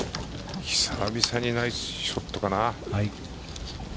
久々にナイスショットかな。